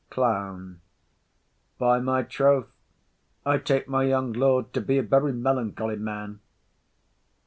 CLOWN. By my troth, I take my young lord to be a very melancholy man.